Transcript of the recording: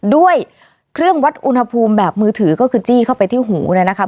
ด้วยเครื่องวัดอุณหภูมิแบบมือถือก็คือจี้เข้าไปที่หูเนี่ยนะคะ